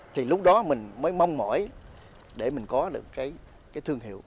thì lúc đó mình mới mong mỏi để mình có được cái thương hiệu